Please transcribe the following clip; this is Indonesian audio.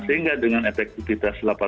sehingga dengan efektifitas